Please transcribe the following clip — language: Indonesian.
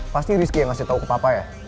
pasti rizky yang ngasih tahu ke papa ya